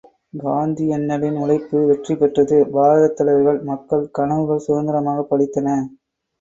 காந்தியண்ணலின் உழைப்பு வெற்றி பெற்றது பாரதத்தலைவர்கள், மக்கள் கனவுகள் சுதந்திரமாகப் பலித்தன.